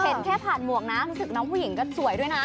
เห็นแค่ผ่านหมวกนะรู้สึกน้องผู้หญิงก็สวยด้วยนะ